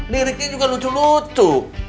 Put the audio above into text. liriknya juga lucu lucu